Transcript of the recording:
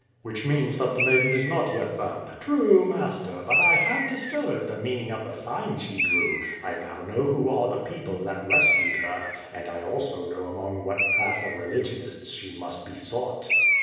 "Which means that the maiden is not yet found?" "True, master, but I have discovered the meaning of the sign she drew. I now know who are the people that rescued her, and I also know among what class of religionists she must be sought."